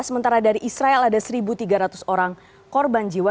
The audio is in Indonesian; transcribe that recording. sementara dari israel ada satu tiga ratus orang korban jiwa